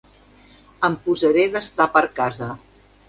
Em posaré d'estar per casa.